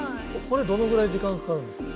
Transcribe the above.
これどのぐらい時間かかるんですか？